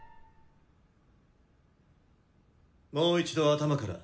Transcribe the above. もう一度頭から。